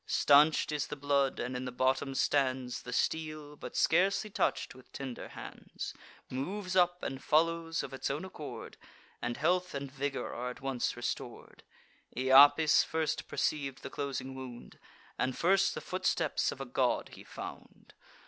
Stanch'd is the blood, and in the bottom stands: The steel, but scarcely touch'd with tender hands, Moves up, and follows of its own accord, And health and vigour are at once restor'd. Iapis first perceiv'd the closing wound, And first the footsteps of a god he found.